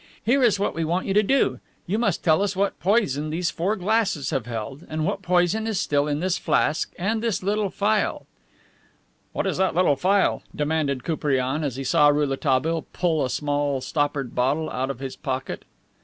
Here is what we want you to do. You must tell us what poison these four glasses have held, and what poison is still in this flask and this little phial." "What is that little phial?" demanded Koupriane, as he saw Rouletabille pull a small, stoppered bottle out of his pocket.